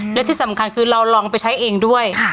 และที่สำคัญคือเราลองไปใช้เองด้วย